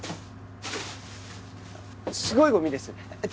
すごいゴミですね。